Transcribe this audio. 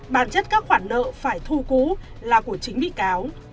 bản chất các khoản nợ phải thu cú là của chính bị cáo